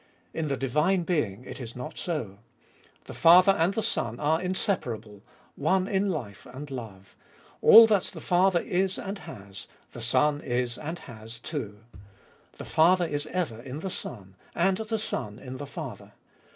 In the divine Being it is not so. The Father and the Son are inseparable, one in life and love ; all that the Father is and has, the Son is and has too. The Father is ever in the Son, and the Son in the Father.